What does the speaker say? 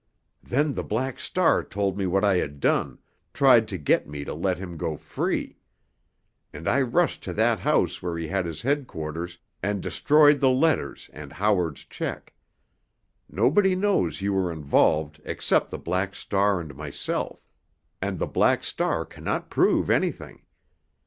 Then the Black Star told me what I had done, tried to get me to let him go free. And I rushed to that house where he had his headquarters and destroyed the letters and Howard's check. Nobody knows you were involved except the Black Star and myself, and the Black Star cannot prove anything.